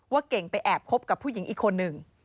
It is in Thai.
เก่งไปแอบคบกับผู้หญิงอีกคนหนึ่ง